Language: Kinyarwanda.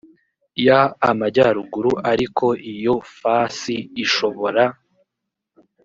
y amajyaruguru ariko iyo fasi ishobora